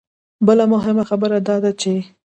بله مهمه خبره دا ده چې